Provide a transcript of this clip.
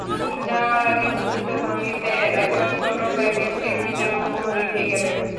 যাওয়ার আগে লজ্জিত ভঙ্গিতে একটা ছোট প্যাকেট টেবিলের ওপর রেখে গেলেন।